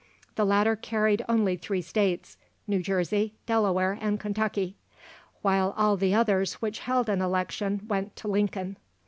The latter carried only three states New Jersey, Delaware, and Kentucky, while all the others which held an election went to Lincoln.